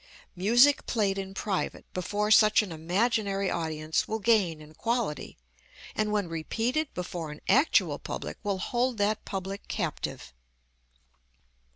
Music played in private before such an imaginary audience will gain in quality, and when repeated before an actual public will hold that public captive.